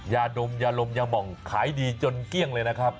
ยาดมยาลมยาบ่องขายดีจนเกลี้ยงเลยนะครับ